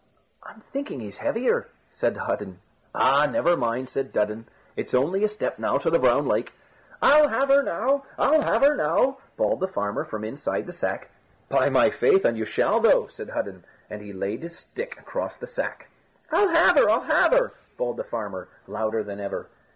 "I'm thinking he's heavier," said Hudden. "Ah, never mind," said Dudden; "it's only a step now to the Brown Lake." "I'll have her now! I'll have her now!" bawled the farmer, from inside the sack. "By my faith, and you shall though," said Hudden, and he laid his stick across the sack. "I'll have her! I'll have her!" bawled the farmer, louder than ever.